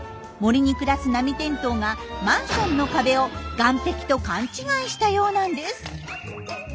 森に暮らすナミテントウがマンションの壁を岩壁と勘違いしたようなんです。